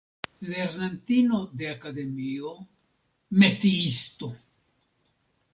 Lernantino de Akademio, "metiisto".